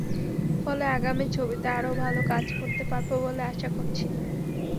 ফলে আগামী ছবিতে আরও ভালো কাজ করতে পারব বলে আশা করছি।